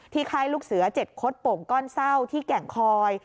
ค่ายลูกเสือ๗คดโป่งก้อนเศร้าที่แก่งคอย